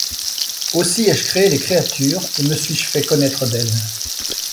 Aussi ai-je créé les créatures et Me suis-je fait connaître d’elles.